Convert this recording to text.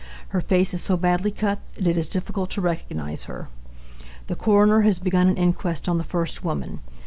Her face is so badly cut that it is difficult to recognize her. The Coroner has begun an inquest on the first woman.